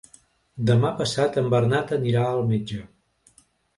Demà passat en Bernat anirà al metge.